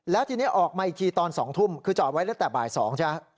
แล้วทีนี้ออกมาอีกทีตอน๒ทุ่มคือจอดไว้ตั้งแต่บ่าย๒ใช่ไหม